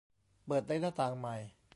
เปิดในหน้าต่างใหม่